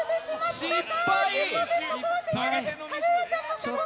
失敗。